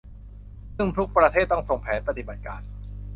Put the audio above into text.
ซึ่งทุกประเทศต้องส่งแผนปฏิบัติการ